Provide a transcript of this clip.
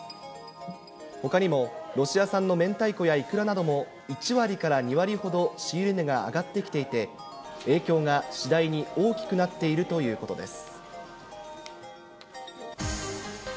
ほかにも、ロシア産の明太子やいくらなども、１割から２割ほど仕入れ値が上がってきていて、影響が次第に大きくなっているということです。